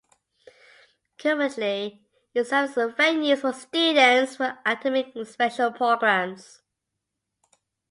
Currently, it serve as venues for students in academic special programmes.